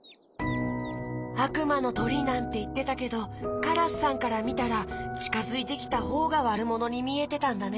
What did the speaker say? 「あくまのとり」なんていってたけどカラスさんからみたらちかづいてきたほうがわるものにみえてたんだね。